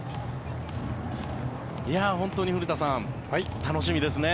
本当に古田さん楽しみですね。